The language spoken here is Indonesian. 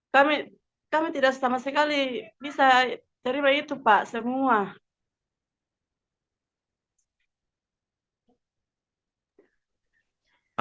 kami kami tidak sama sekali bisa terima itu pak semua